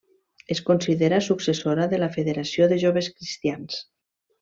Es considera successora de la Federació de Joves Cristians.